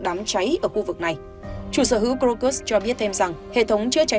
đám cháy ở khu vực này chủ sở hữu groker cho biết thêm rằng hệ thống chưa cháy